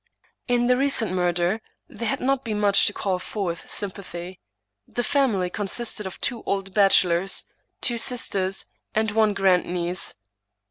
In the recent murder there had not been much to call forth sympathy. The family consisted of two old bachelors, two sisters, and one grandniece.